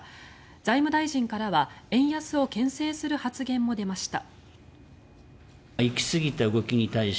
財務大臣からは、円安をけん制する発言も出ました。